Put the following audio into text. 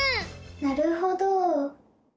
なるほど！